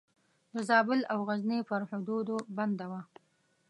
د زابل او غزني پر حدودو بنده وه.